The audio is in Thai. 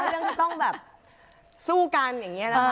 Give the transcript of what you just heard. เรื่องที่ต้องแบบสู้กันอย่างนี้นะ